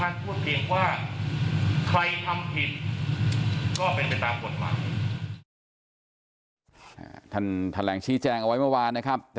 ท่านพูดเพียงว่าใครทำผิดก็เป็นตามกฎหวัง